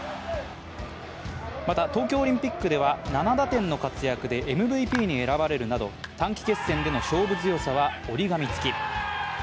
また、東京オリンピックでは７打点の活躍でＭＶＰに選ばれるなど短期決戦での勝負強さは折り紙つき。